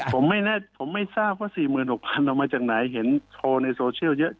ผมไม่ทราบว่า๔๖๐๐เอามาจากไหนเห็นโชว์ในโซเชียลเยอะ